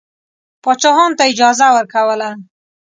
پاچاهانو ته اجازه ورکوله.